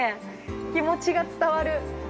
気持ちが伝わる。